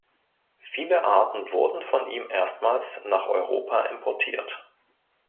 Viele Arten wurden von ihm erstmals nach Europa importiert.